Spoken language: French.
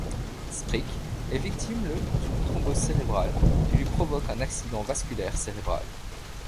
Sprick est victime le d'une thrombose cérébrale, qui lui provoque un accident vasculaire cérébral.